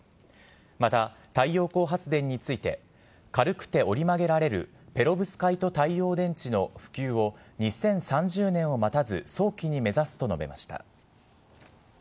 また太陽光発電について、軽くて折り曲げられるペロブスカイト太陽電池の普及を２０３０年を待たず、早期に目指すと述べました。